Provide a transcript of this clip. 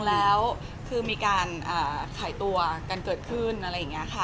แล้วคือมีการขายตัวกันเกิดขึ้นอะไรอย่างนี้ค่ะ